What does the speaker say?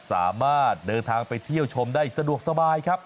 สามารถเดินทางไปเที่ยวชมได้สะดวกสบายครับ